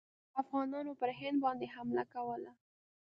افغانانو پر هند باندي حمله کوله.